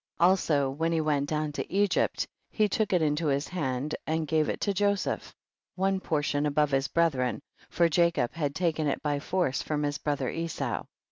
47. Also when he went down to Egypt he took it into his hand and gave il to Joseph, one portion above his brethren, for Jacob had taken il by force from his brother Esau.